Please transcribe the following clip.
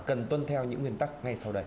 cần tuân theo những nguyên tắc ngay sau đây